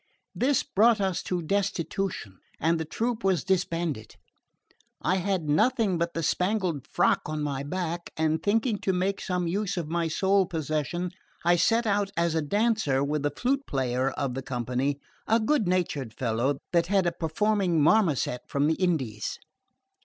This brought us to destitution, and the troop was disbanded. I had nothing but the spangled frock on my back, and thinking to make some use of my sole possession I set out as a dancer with the flute player of the company, a good natured fellow that had a performing marmozet from the Indies.